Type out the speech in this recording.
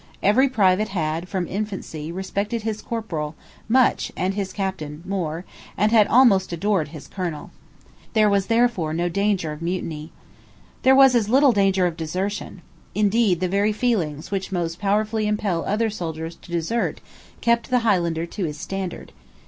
Every private had, from infancy, respected his corporal much and his Captain more, and had almost adored his Colonel. There was therefore no danger of mutiny. There was as little danger of desertion. Indeed the very feelings which most powerfully impel other soldiers to desert kept the Highlander to his standard.